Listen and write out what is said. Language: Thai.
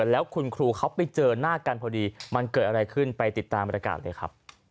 แล้วคุณครูเขาไปเจอหน้ากันพอดีมันเกิดอะไรขึ้นไปติดตามบรรยากาศเลยครับ